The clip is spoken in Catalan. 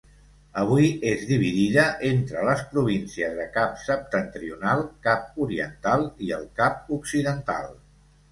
Avui és dividida entre les províncies de Cap Septentrional, Cap Oriental i el Cap Occidental.